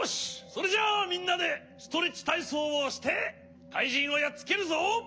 それじゃあみんなでストレッチたいそうをしてかいじんをやっつけるぞ！